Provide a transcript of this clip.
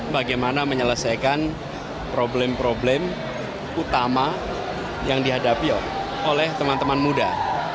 bagaimana menyelesaikan problem problem utama yang dihadapi oleh teman teman muda